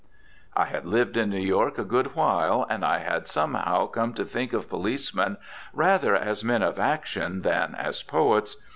I had lived in New York a good while and I had somehow come to think of policemen rather as men of action than as poets.